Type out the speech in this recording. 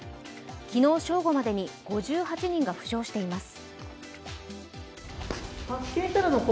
昨日正午までに５８人が負傷しています。